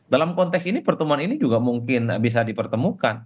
dalam konteks ini pertemuan ini juga mungkin bisa dipertemukan